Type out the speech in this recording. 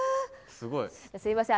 すいません。